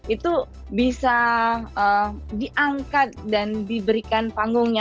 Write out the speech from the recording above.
itu bisa diangkat dan diberikan panggungnya